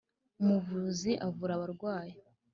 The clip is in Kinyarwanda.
Umuvuzi avura abarwayi .